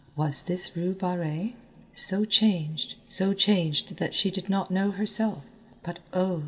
Was this Rue Barrée? So changed, so changed that she did not know herself; but oh!